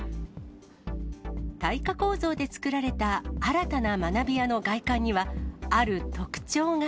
耐火構造でつくられた新たな学びやの外観には、ある特徴が。